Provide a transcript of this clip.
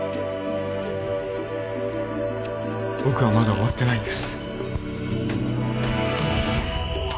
僕はまだ終わってないんです